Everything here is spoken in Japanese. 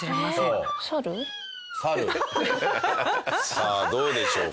さあどうでしょうか？